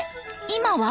今は？